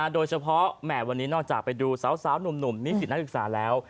แหม่วันนี้นอกจากไปดูสาวหนุ่มนิสิตนักศึกษาแล้ว